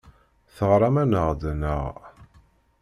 Teɣram-aneɣ-d, naɣ?